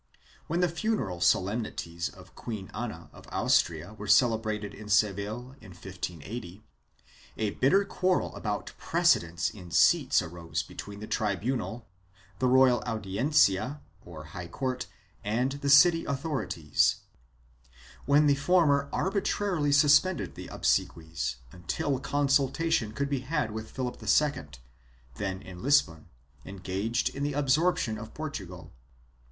When the funeral solemnities of Queen Ana of Austria were celebrated in Seville, in 1580, a bitter quarrel about precedence in seats arose between the tribunal, the royal Audiencia or high court and the city authorities, when the former arbitrarily suspended the obsequies until consultation could be had with Philip II, then in Lisbon, engaged in the absorption of Portugal.